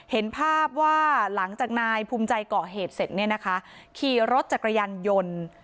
เห็นภาพว่าหลังจากนายภูมิใจก่อเหตุเสร็จเนี่ยนะคะขี่รถจักรยานยนต์